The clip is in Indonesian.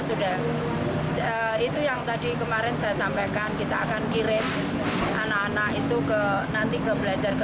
sudah itu yang tadi kemarin saya sampaikan kita akan kirim anak anak itu ke nanti ke belajar ke